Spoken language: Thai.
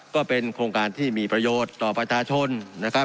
ก็เป็นโครงการที่มีประโยชน์ต่อประชาชนนะครับ